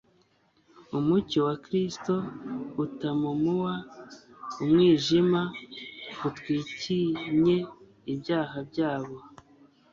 Umucyo wa Kristo utamumua umwijima utwikinye ibyaha byabo,